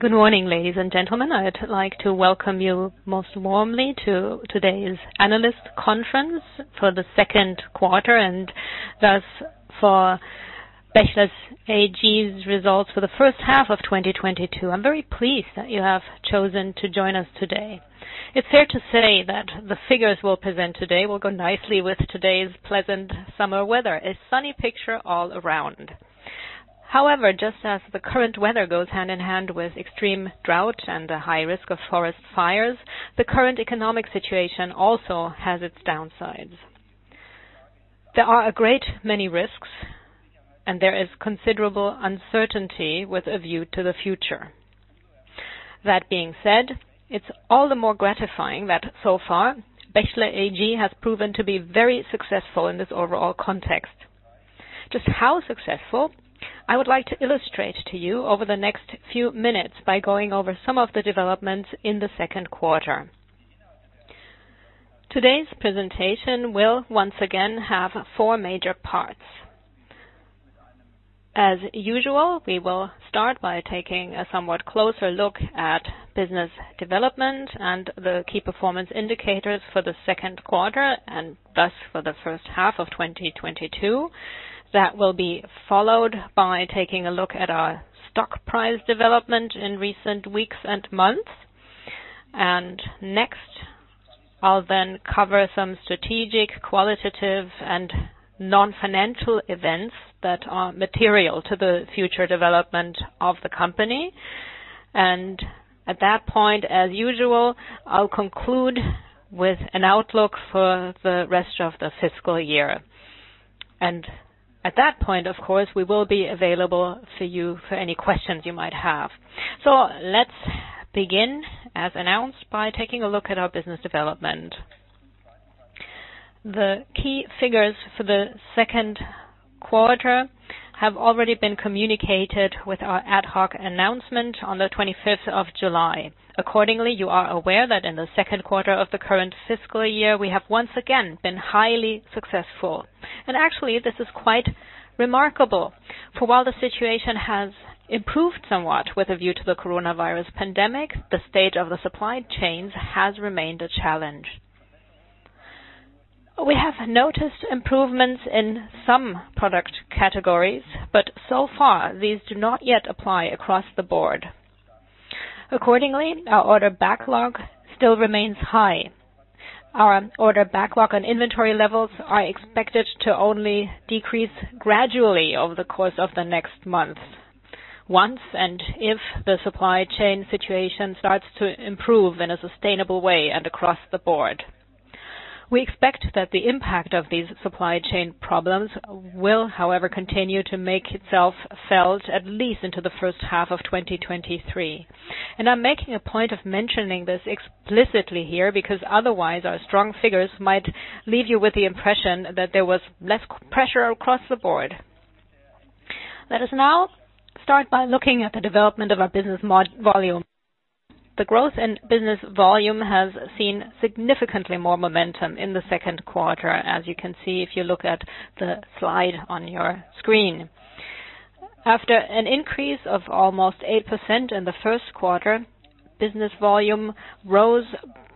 Good morning, ladies and gentlemen. I'd like to welcome you most warmly to today's analyst conference for the second quarter, and thus for Bechtle AG's results for the first half of 2022. I'm very pleased that you have chosen to join us today. It's fair to say that the figures we'll present today will go nicely with today's pleasant summer weather. A sunny picture all around. However, just as the current weather goes hand in hand with extreme drought and a high risk of forest fires, the current economic situation also has its downsides. There are a great many risks, and there is considerable uncertainty with a view to the future. That being said, it's all the more gratifying that so far, Bechtle AG has proven to be very successful in this overall context. Just how successful I would like to illustrate to you over the next few minutes by going over some of the developments in the second quarter. Today's presentation will once again have four major parts. As usual, we will start by taking a somewhat closer look at business development and the key performance indicators for the second quarter and thus for the first half of 2022. That will be followed by taking a look at our stock price development in recent weeks and months. Next, I'll then cover some strategic, qualitative, and non-financial events that are material to the future development of the company. At that point, as usual, I'll conclude with an outlook for the rest of the fiscal year. At that point, of course, we will be available for you for any questions you might have. Let's begin, as announced, by taking a look at our business development. The key figures for the second quarter have already been communicated with our ad hoc announcement on the 25th of July. Accordingly, you are aware that in the second quarter of the current fiscal year, we have once again been highly successful. Actually, this is quite remarkable, for while the situation has improved somewhat with a view to the coronavirus pandemic, the state of the supply chains has remained a challenge. We have noticed improvements in some product categories, but so far, these do not yet apply across the board. Accordingly, our order backlog still remains high. Our order backlog and inventory levels are expected to only decrease gradually over the course of the next month. Once and if the supply chain situation starts to improve in a sustainable way and across the board. We expect that the impact of these supply chain problems will, however, continue to make itself felt at least into the first half of 2023. I'm making a point of mentioning this explicitly here because otherwise, our strong figures might leave you with the impression that there was less pressure across the board. Let us now start by looking at the development of our business volume. The growth in business volume has seen significantly more momentum in the second quarter, as you can see if you look at the slide on your screen. After an increase of almost 8% in the first quarter, business volume rose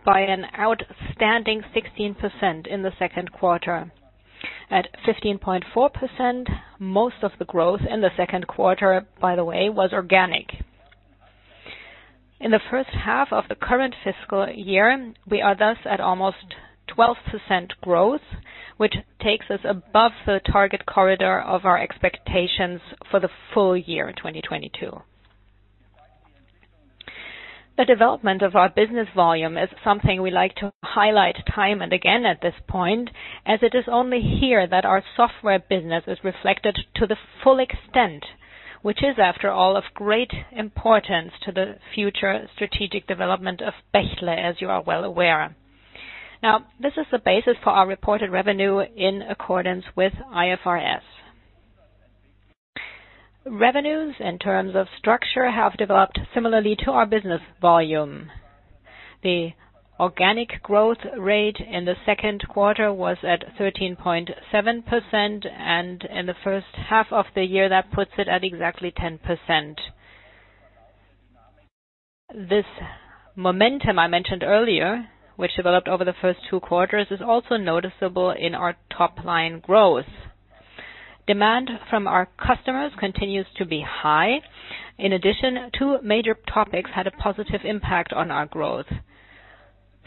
by an outstanding 16% in the second quarter. At 15.4%, most of the growth in the second quarter, by the way, was organic. In the first half of the current fiscal year, we are thus at almost 12% growth, which takes us above the target corridor of our expectations for the full year 2022. The development of our business volume is something we like to highlight time and again at this point, as it is only here that our software business is reflected to the full extent, which is, after all, of great importance to the future strategic development of Bechtle, as you are well aware. Now, this is the basis for our reported revenue in accordance with IFRS. Revenues in terms of structure have developed similarly to our business volume. The organic growth rate in the second quarter was at 13.7%, and in the first half of the year, that puts it at exactly 10%. This momentum I mentioned earlier, which developed over the first two quarters, is also noticeable in our top line growth. Demand from our customers continues to be high. In addition, two major topics had a positive impact on our growth.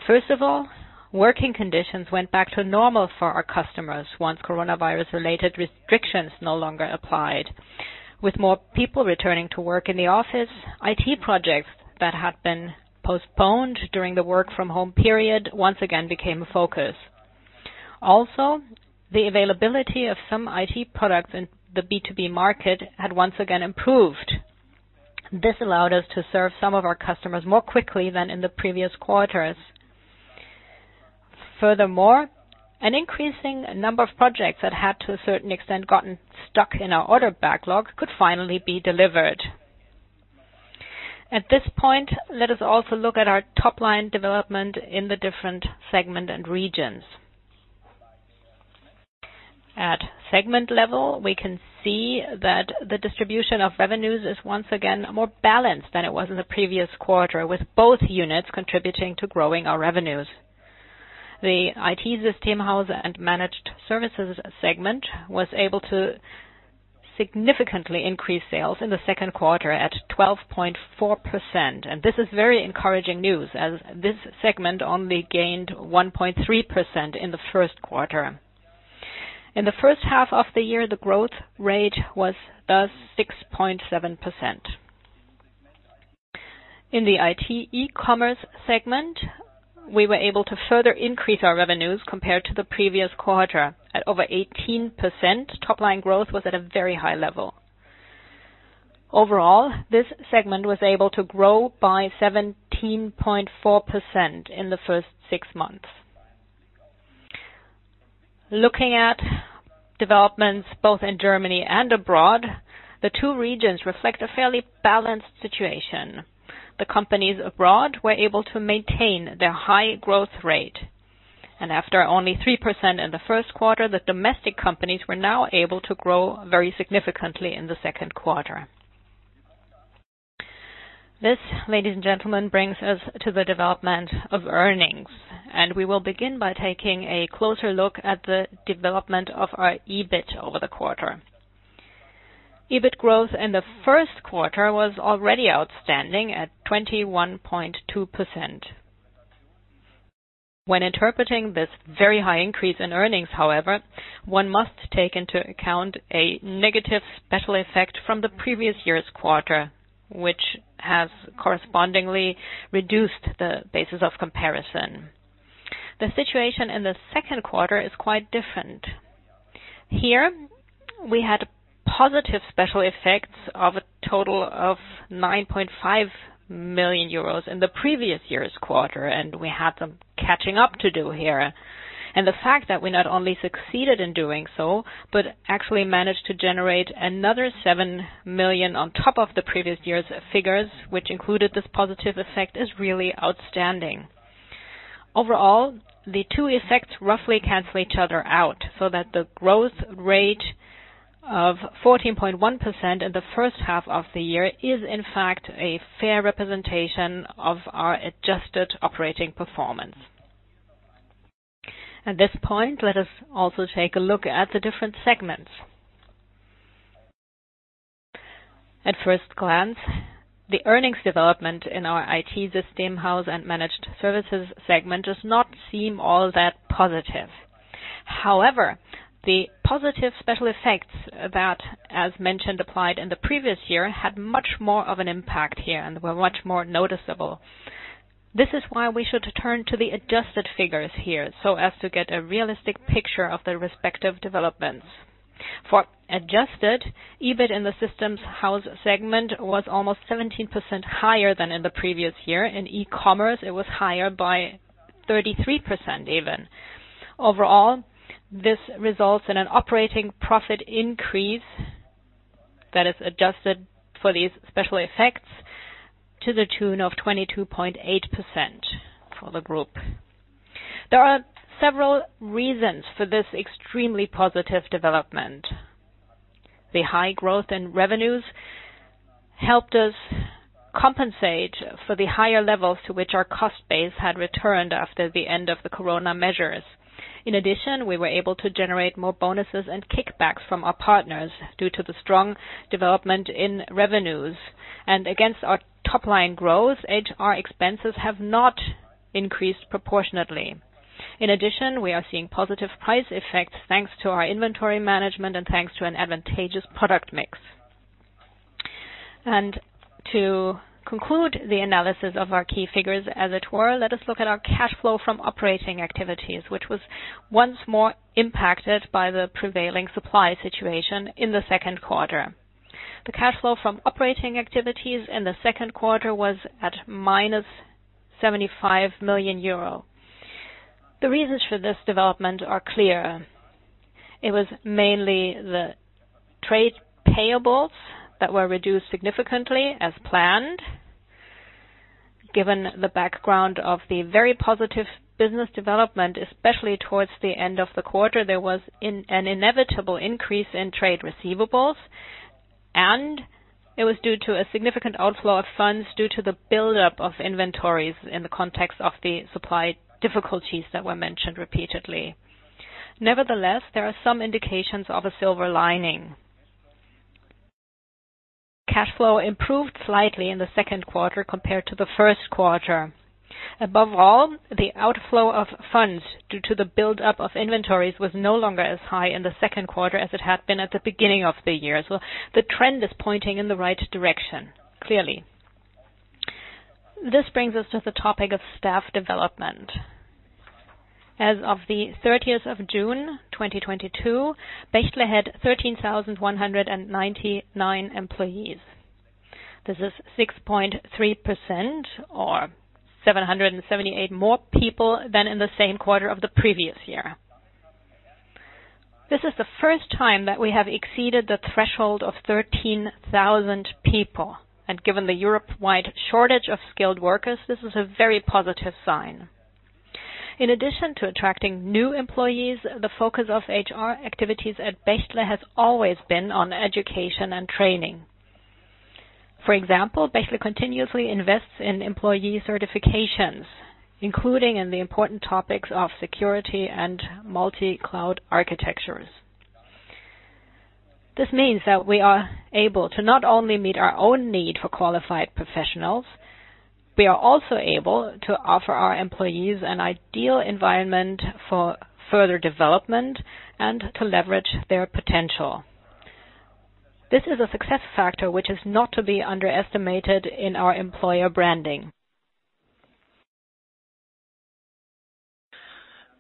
First of all, working conditions went back to normal for our customers once coronavirus-related restrictions no longer applied. With more people returning to work in the office, IT projects that had been postponed during the work from home period, once again became a focus. Also, the availability of some IT products in the B2B market had once again improved. This allowed us to serve some of our customers more quickly than in the previous quarters. Furthermore, an increasing number of projects that had, to a certain extent, gotten stuck in our order backlog could finally be delivered. At this point, let us also look at our top-line development in the different segment and regions. At segment level, we can see that the distribution of revenues is once again more balanced than it was in the previous quarter, with both units contributing to growing our revenues. The IT System House & Managed Services segment was able to significantly increase sales in the second quarter at 12.4%. This is very encouraging news, as this segment only gained 1.3% in the first quarter. In the first half of the year, the growth rate was, thus, 6.7%. In the IT E-Commerce segment, we were able to further increase our revenues compared to the previous quarter. At over 18%, top line growth was at a very high level. Overall, this segment was able to grow by 17.4% in the first six months. Looking at developments both in Germany and abroad, the two regions reflect a fairly balanced situation. The companies abroad were able to maintain their high growth rate, and after only 3% in the first quarter, the domestic companies were now able to grow very significantly in the second quarter. This, ladies and gentlemen, brings us to the development of earnings, and we will begin by taking a closer look at the development of our EBIT over the quarter. EBIT growth in the first quarter was already outstanding at 21.2%. When interpreting this very high increase in earnings, however, one must take into account a negative special effect from the previous year's quarter, which has correspondingly reduced the basis of comparison. The situation in the second quarter is quite different. Here we had positive special effects of a total of 9.5 million euros in the previous year's quarter, and we had some catching up to do here. The fact that we not only succeeded in doing so, but actually managed to generate another 7 million on top of the previous year's figures, which included this positive effect, is really outstanding. Overall, the two effects roughly cancel each other out, so that the growth rate of 14.1% in the first half of the year is in fact a fair representation of our adjusted operating performance. At this point, let us also take a look at the different segments. At first glance, the earnings development in our IT System House & Managed Services segment does not seem all that positive. However, the positive special effects that, as mentioned, applied in the previous year, had much more of an impact here and were much more noticeable. This is why we should turn to the adjusted figures here, so as to get a realistic picture of the respective developments. For adjusted EBIT in the System House segment was almost 17% higher than in the previous year. In E-Commerce, it was higher by 33% even. Overall, this results in an operating profit increase that is adjusted for these special effects to the tune of 22.8% for the group. There are several reasons for this extremely positive development. The high growth in revenues helped us compensate for the higher levels to which our cost base had returned after the end of the Corona measures. In addition, we were able to generate more bonuses and kickbacks from our partners due to the strong development in revenues. Against our top line growth, HR expenses have not increased proportionately. In addition, we are seeing positive price effects thanks to our inventory management and thanks to an advantageous product mix. To conclude the analysis of our key figures as it were, let us look at our cash flow from operating activities, which was once more impacted by the prevailing supply situation in the second quarter. The cash flow from operating activities in the second quarter was at -75 million euro. The reasons for this development are clear. It was mainly the trade payables that were reduced significantly as planned. Given the background of the very positive business development, especially towards the end of the quarter, there was an inevitable increase in trade receivables, and it was due to a significant outflow of funds due to the buildup of inventories in the context of the supply difficulties that were mentioned repeatedly. Nevertheless, there are some indications of a silver lining. Cash flow improved slightly in the second quarter compared to the first quarter. Above all, the outflow of funds due to the buildup of inventories was no longer as high in the second quarter as it had been at the beginning of the year. The trend is pointing in the right direction, clearly. This brings us to the topic of staff development. As of the 30th of June, 2022, Bechtle had 13,199 employees. This is 6.3% or 778 more people than in the same quarter of the previous year. This is the first time that we have exceeded the threshold of 13,000 people. Given the Europe-wide shortage of skilled workers, this is a very positive sign. In addition to attracting new employees, the focus of HR activities at Bechtle has always been on education and training. For example, Bechtle continuously invests in employee certifications, including in the important topics of security and multi-cloud architectures. This means that we are able to not only meet our own need for qualified professionals, we are also able to offer our employees an ideal environment for further development and to leverage their potential. This is a success factor which is not to be underestimated in our employer branding.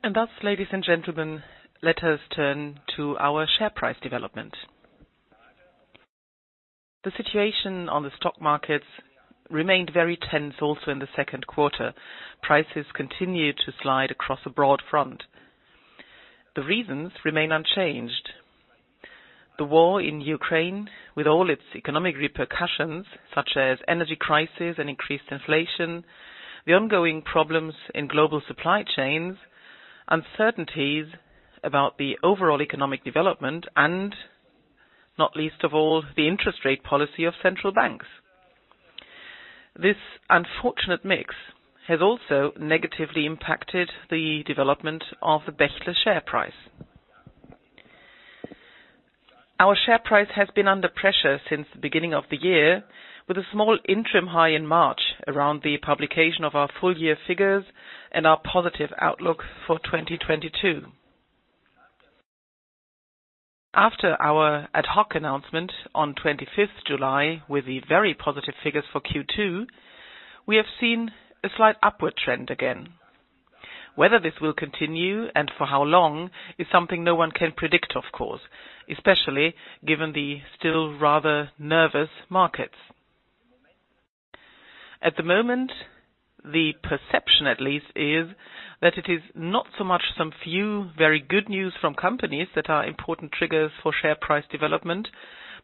Thus, ladies and gentlemen, let us turn to our share price development. The situation on the stock markets remained very tense also in the second quarter. Prices continued to slide across a broad front. The reasons remain unchanged. The war in Ukraine, with all its economic repercussions, such as energy crisis and increased inflation, the ongoing problems in global supply chains, uncertainties about the overall economic development, and not least of all, the interest rate policy of central banks. This unfortunate mix has also negatively impacted the development of the Bechtle share price. Our share price has been under pressure since the beginning of the year, with a small interim high in March around the publication of our full year figures and our positive outlook for 2022. After our ad hoc announcement on 25th July with the very positive figures for Q2, we have seen a slight upward trend again. Whether this will continue and for how long is something no one can predict, of course, especially given the still rather nervous markets. At the moment, the perception, at least, is that it is not so much some few very good news from companies that are important triggers for share price development,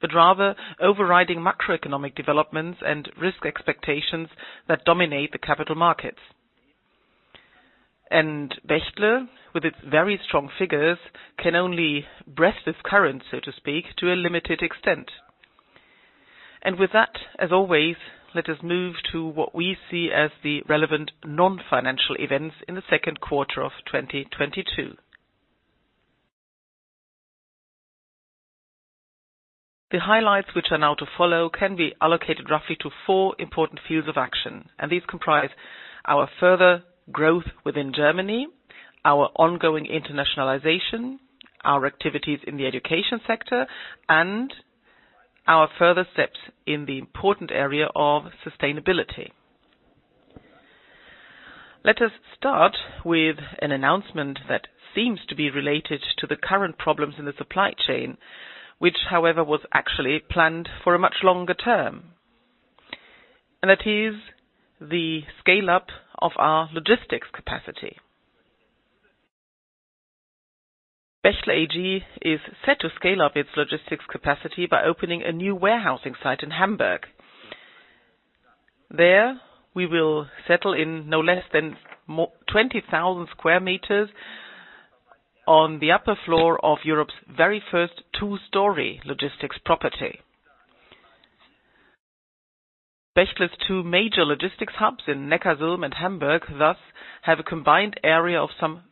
but rather overriding macroeconomic developments and risk expectations that dominate the capital markets. Bechtle, with its very strong figures, can only breast this current, so to speak, to a limited extent. With that, as always, let us move to what we see as the relevant non-financial events in the second quarter of 2022. The highlights which are now to follow can be allocated roughly to four important fields of action, and these comprise our further growth within Germany, our ongoing internationalization, our activities in the education sector, and our further steps in the important area of sustainability. Let us start with an announcement that seems to be related to the current problems in the supply chain, which, however, was actually planned for a much longer term, and that is the scale-up of our logistics capacity. Bechtle AG is set to scale up its logistics capacity by opening a new warehousing site in Hamburg. There we will settle in no less than 20,000 square meters on the upper floor of Europe's very first two-story logistics property. Bechtle's two major logistics hubs in Neckarsulm and Hamburg, thus have a combined area of some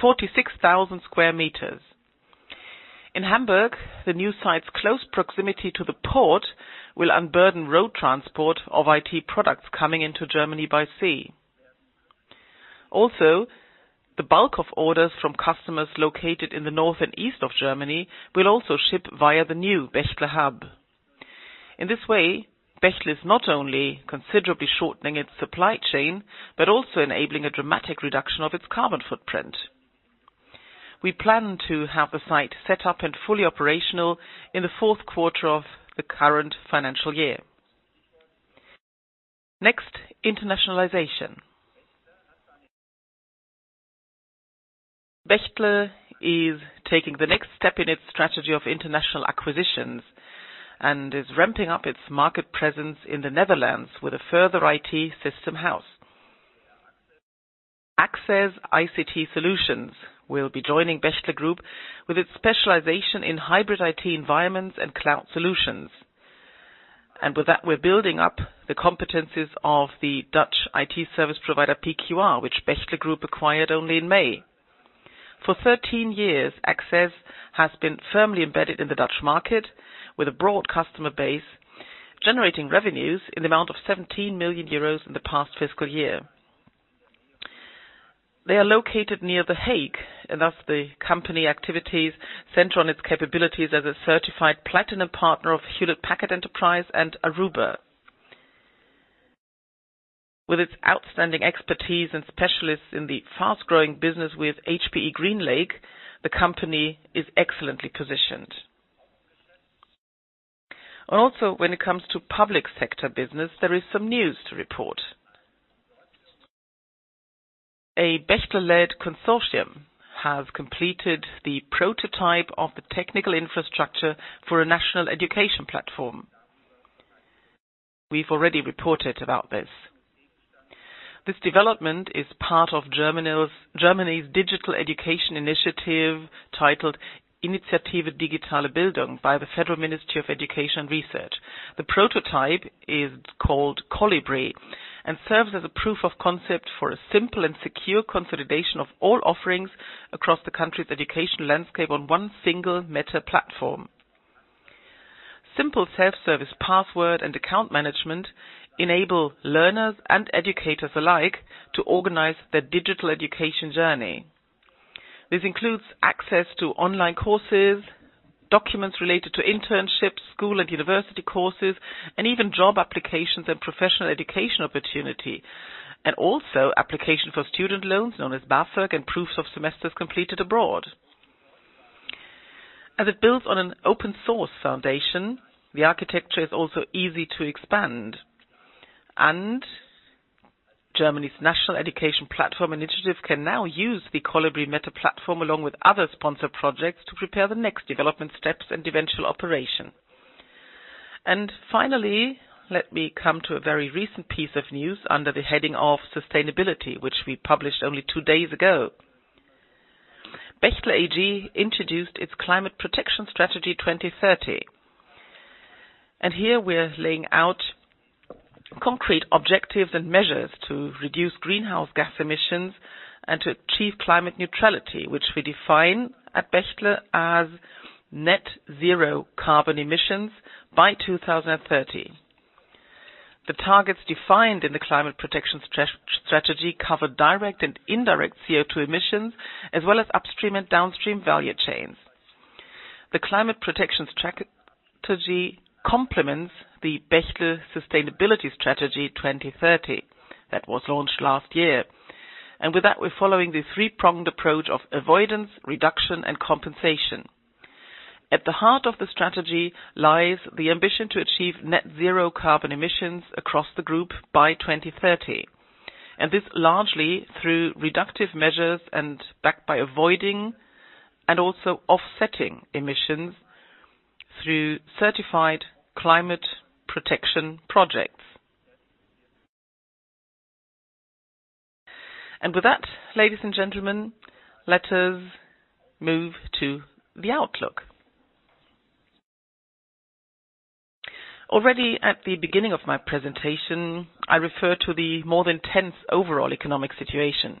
46,000 square meters. In Hamburg, the new site's close proximity to the port will unburden road transport of IT products coming into Germany by sea. Also, the bulk of orders from customers located in the north and east of Germany will also ship via the new Bechtle hub. In this way, Bechtle is not only considerably shortening its supply chain, but also enabling a dramatic reduction of its carbon footprint. We plan to have the site set up and fully operational in the fourth quarter of the current financial year. Next, internationalization. Bechtle is taking the next step in its strategy of international acquisitions and is ramping up its market presence in the Netherlands with a further IT system house. Axez ICT Solutions will be joining Bechtle Group with its specialization in hybrid IT environments and cloud solutions. With that, we're building up the competencies of the Dutch IT service provider PQR, which Bechtle Group acquired only in May. For 13 years, Axez has been firmly embedded in the Dutch market with a broad customer base, generating revenues in the amount of 17 million euros in the past fiscal year. They are located near The Hague, and thus the company activities center on its capabilities as a certified platinum partner of Hewlett Packard Enterprise and Aruba. With its outstanding expertise and specialists in the fast-growing business with HPE GreenLake, the company is excellently positioned. Also, when it comes to public sector business, there is some news to report. A Bechtle-led consortium has completed the prototype of the technical infrastructure for a national education platform. We've already reported about this. This development is part of Germany's digital education initiative, titled Initiative Digitale Bildung by the Federal Ministry of Education and Research. The prototype is called Kolibri, and serves as a proof of concept for a simple and secure consolidation of all offerings across the country's education landscape on one single meta platform. Simple self-service password and account management enable learners and educators alike to organize their digital education journey. This includes access to online courses, documents related to internships, school and university courses, and even job applications and professional education opportunity. Also application for student loans known as BAföG, and proofs of semesters completed abroad. As it builds on an open source foundation, the architecture is also easy to expand. Germany's national education platform initiative can now use the Kolibri meta platform along with other sponsored projects to prepare the next development steps and eventual operation. Finally, let me come to a very recent piece of news under the heading of sustainability, which we published only two days ago. Bechtle AG introduced its Climate Protection Strategy 2030. Here we're laying out concrete objectives and measures to reduce greenhouse gas emissions and to achieve climate neutrality, which we define at Bechtle as net zero carbon emissions by 2030. The targets defined in the climate protection strategy cover direct and indirect CO2 emissions, as well as upstream and downstream value chains. The Climate Protection Strategy 2030 complements the Bechtle Sustainability Strategy 2030, that was launched last year. With that, we're following the three-pronged approach of avoidance, reduction, and compensation. At the heart of the strategy lies the ambition to achieve net zero carbon emissions across the group by 2030. This largely through reductive measures and backed by avoiding and also offsetting emissions through certified climate protection projects. With that, ladies and gentlemen, let us move to the outlook. Already at the beginning of my presentation, I referred to the more than tense overall economic situation.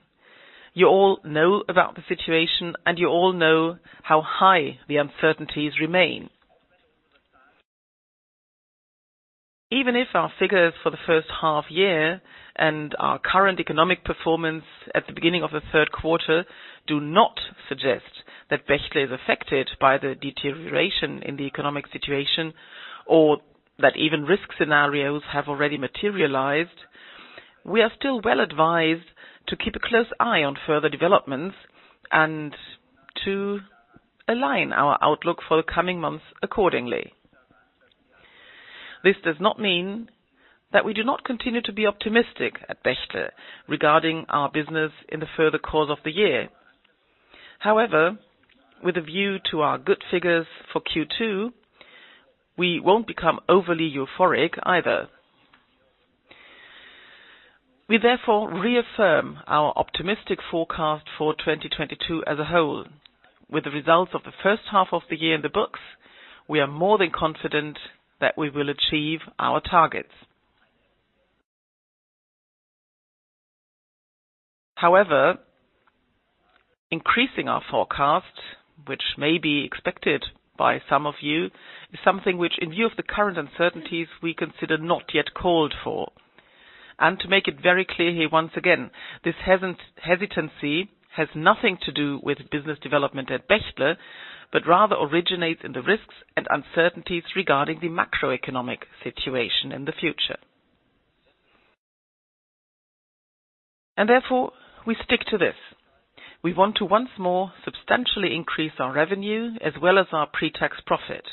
You all know about the situation, and you all know how high the uncertainties remain. Even if our figures for the first half year and our current economic performance at the beginning of the third quarter do not suggest that Bechtle is affected by the deterioration in the economic situation, or that even risk scenarios have already materialized. We are still well advised to keep a close eye on further developments and to align our outlook for the coming months accordingly. This does not mean that we do not continue to be optimistic at Bechtle regarding our business in the further course of the year. However, with a view to our good figures for Q2, we won't become overly euphoric either. We therefore reaffirm our optimistic forecast for 2022 as a whole. With the results of the first half of the year in the books, we are more than confident that we will achieve our targets. However, increasing our forecast, which may be expected by some of you, is something which in view of the current uncertainties we consider not yet called for. To make it very clear here once again, this hesitancy has nothing to do with business development at Bechtle, but rather originates in the risks and uncertainties regarding the macroeconomic situation in the future. Therefore, we stick to this. We want to once more substantially increase our revenue as well as our pre-tax profit.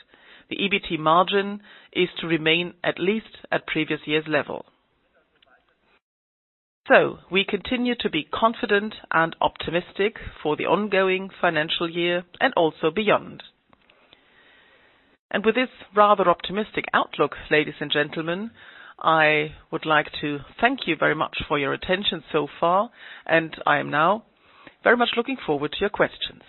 The EBT margin is to remain at least at previous year's level. We continue to be confident and optimistic for the ongoing financial year and also beyond. With this rather optimistic outlook, ladies and gentlemen, I would like to thank you very much for your attention so far, and I am now very much looking forward to your questions.